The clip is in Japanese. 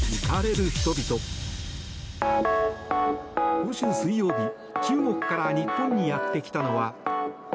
今週水曜日、中国から日本にやってきたのは。